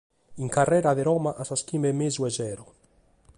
In carrera de Roma a sas chimbe e mesu de sero.